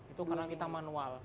itu karena kita manual